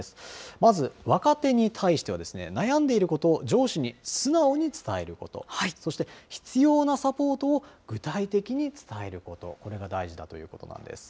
まず若手に対しては、悩んでいることを上司に素直に伝えること、そして必要なサポートを具体的に伝えること、これが大事だということなんです。